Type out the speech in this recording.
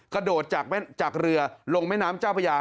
กระโดดจากเรือลงแม่น้ำเจ้าพระยา